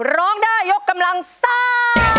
ร้องได้ยกกำลังซ่า